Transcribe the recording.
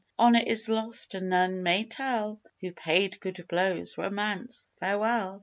Honour is lost, and none may tell Who paid good blows. Romance, farewell!"